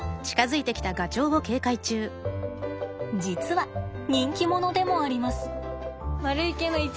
実は人気者でもあります。